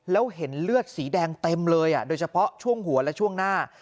แล้วเห็นเลือดสีแดงเต็มเลยโดยเฉพาะช่วงหัวและช่วงหน้า